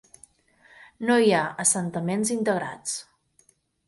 No hi ha assentaments integrats.